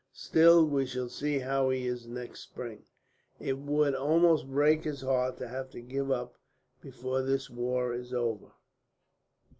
"Still, we shall see how he is next spring. It would almost break his heart to have to give up before this war is over."